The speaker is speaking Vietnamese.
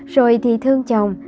rồi thì thương chồng